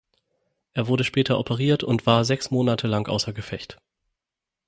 Er wurde später operiert und war sechs Monate lang außer Gefecht.